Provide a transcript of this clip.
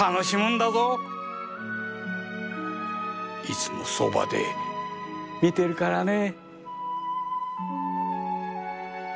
いつもそばで見てるからね。